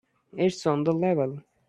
It's on the level.